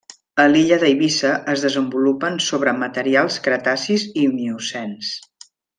A l'illa d'Eivissa es desenvolupen sobre materials cretacis i miocens.